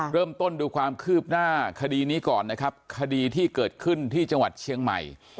เริ่มต้นดูความคืบหน้าคดีนี้ก่อนนะครับคดีที่เกิดขึ้นที่จังหวัดเชียงใหม่